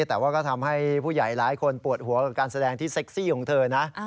แต่ว่าก็ทำให้ผู้ใหญ่หลายคนปวดหัวกับการแสดงที่เซ็กซี่ของเธอนะ